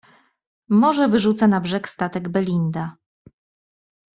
"Morze wyrzuca na brzeg statek „Belinda“."